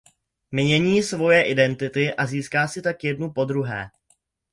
Mění svoje identity a získá si tak jednu po druhé.